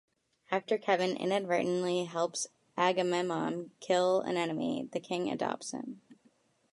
After Kevin inadvertently helps Agamemnon kill an enemy, the king adopts him.